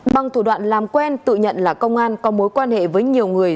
bằng thủ đoạn làm quen tự nhận là công an có mối quan hệ với nhiều người